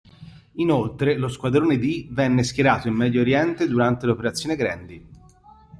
Inoltre lo Squadrone D venne schierato in Medio Oriente durante l'Operazione Granby.